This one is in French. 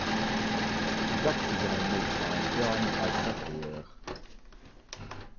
Cet accident mettra un terme à sa carrière.